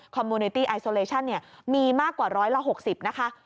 มูไนตี้ไอโซเลชั่นมีมากกว่าร้อยละ๖๐นะคะ